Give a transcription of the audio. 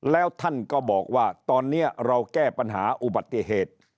แล้วท่านก็บอกว่าตอนนี้เราแก้ปัญหาอุบัติเหตุ